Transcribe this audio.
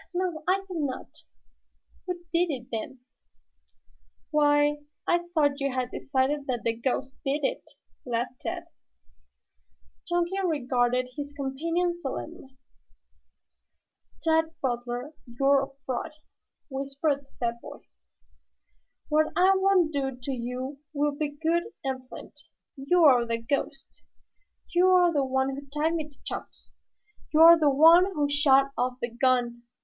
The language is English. "No, I think not." "Who did it, then?" "Why, I thought you had decided that the ghost did it?" laughed Tad. Chunky regarded his companion solemnly. "Tad Butler, you're a fraud," whispered the fat boy. "What I won't do to you will be good and plenty. You're the ghost. You're the one who tied me to Chops. You're the one who shot off the gun.